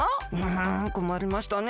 んこまりましたね。